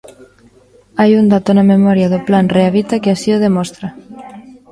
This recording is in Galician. Hai un dato na memoria do Plan RehaVita que así o demostra.